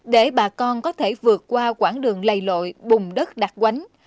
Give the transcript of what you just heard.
để bà con có thể vượt qua quãng đường lầy lội bùng đất đặc quánh